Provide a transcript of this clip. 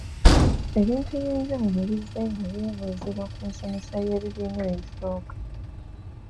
Ebintu eby’enjawulo bizzenga byebuuzibwa ku nsomesa y'ebibiina ebisooka.